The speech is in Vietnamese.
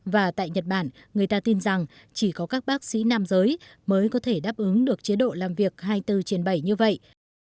và tại nhật bản người ta tin rằng chỉ có các bác sĩ nam giới mới có thể đáp ứng được chế độ làm việc hai mươi bốn trên bảy như vậy